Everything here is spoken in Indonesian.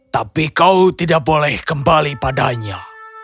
tapi kau tidak boleh kembali padanya